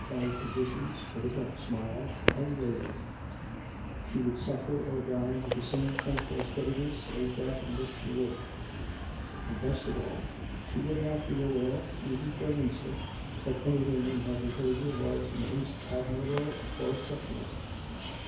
quired positions^ with a faint smile^ unwavering; she would suffer or die with the same tranquil steadiness as that in which she lived; and^ best of all, she would not be aware, even for an instant, that anything in her behaviour was in the least admirable or exceptional.